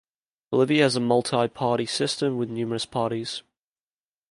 Bolivia has a multi-party system, with numerous parties.